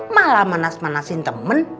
malah manas manasin temen